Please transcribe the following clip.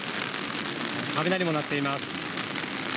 雷も鳴っています。